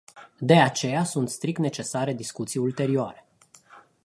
De aceea sunt strict necesare discuții ulterioare.